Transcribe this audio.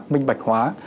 minh bạch hóa